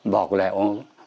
bọc lại ông